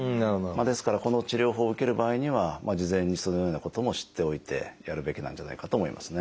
ですからこの治療法を受ける場合には事前にそのようなことも知っておいてやるべきなんじゃないかと思いますね。